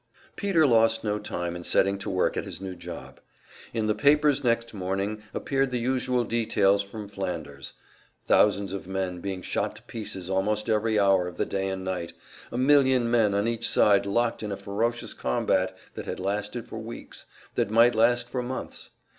Peter lost no time in setting to work at his new job. In the papers next morning appeared the usual details from Flanders; thousands of men being shot to pieces almost every hour of the day and night, a million men on each side locked in a ferocious combat that had lasted for weeks, that might last for months.